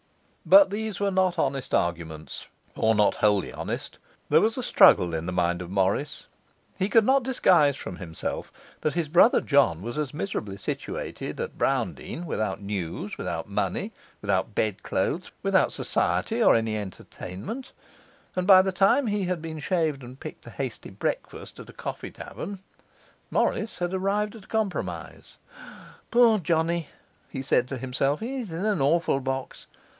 But these were not honest arguments, or not wholly honest; there was a struggle in the mind of Morris; he could not disguise from himself that his brother John was miserably situated at Browndean, without news, without money, without bedclothes, without society or any entertainment; and by the time he had been shaved and picked a hasty breakfast at a coffee tavern, Morris had arrived at a compromise. 'Poor Johnny,' he said to himself, 'he's in an awful box!